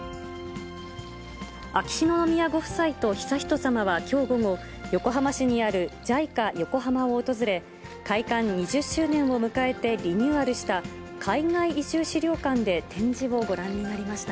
秋篠宮ご夫妻と悠仁さまはきょう午後、横浜市にあるＪＩＣＡ横浜を訪れ、開館２０周年を迎えてリニューアルした、海外移住資料館で展示をご覧になりました。